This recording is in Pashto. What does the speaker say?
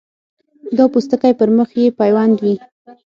دا پوستکی پر مخ یې پیوند وي.